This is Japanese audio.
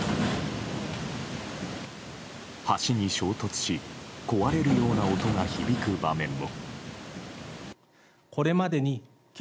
橋に衝突し壊れるような音が響く場面も。